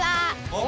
お！